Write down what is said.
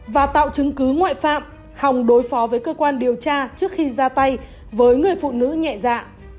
và tạo chứng cứ ngoại phạm hòng đối phó với cơ quan điều tra trước khi ra tay với người phụ nữ nhẹ dạ